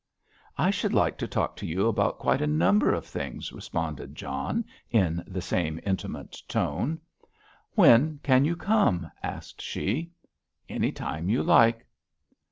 "I should like to talk to you about quite a number of things," responded John in the same intimate tone. "When can you come?" asked she. "Any time you like."